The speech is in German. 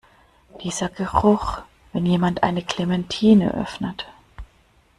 Dieser Geruch, wenn jemand eine Clementine öffnet!